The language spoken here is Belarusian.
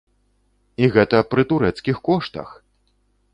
І гэта пры турэцкіх коштах!